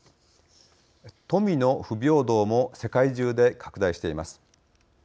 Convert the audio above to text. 富の不平等も世界中で拡大しています。